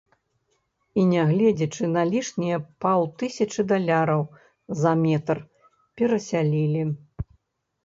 І не гледзячы на лішнія паўтысячы даляраў за метр перасялілі!